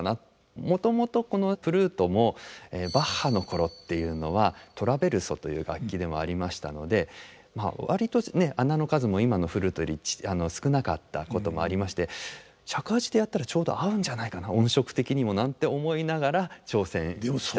もともとこのフルートもバッハの頃っていうのはトラヴェルソという楽器でもありましたので割と孔の数も今のフルートより少なかったこともありまして尺八でやったらちょうど合うんじゃないかな音色的にもなんて思いながら挑戦した作品です。